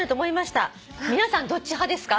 「皆さんどっち派ですか？」